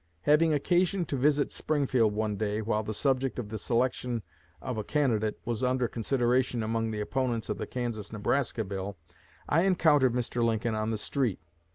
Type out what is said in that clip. Having occasion to visit Springfield one day while the subject of the selection of a candidate was under consideration among the opponents of the Kansas Nebraska Bill, I encountered Mr. Lincoln on the street.